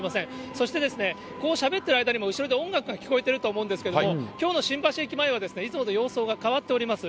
そして、しゃべってる間にも後ろで音楽が聞こえてると思うんですけれども、きょうの新橋駅前は、いつもと様相が変わっております。